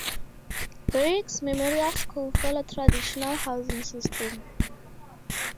Breeks Memorial School follow traditional housing system.